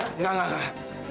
enggak enggak enggak